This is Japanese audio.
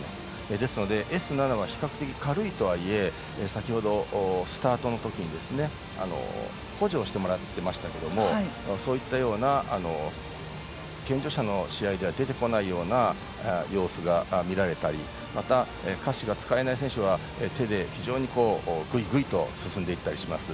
ですので、Ｓ７は比較的軽いとはいえ、先ほどスタートのときに補助をしてもらってましたけどそういった健常者の試合では出てこないような様子が見られたりまた、下肢が使えない選手は手で非常にぐいぐいと進んでいったりします。